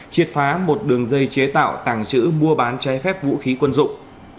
triệt phá một đường dây chế tạo tàng trữ mua bán trái phép vũ khí quân dụng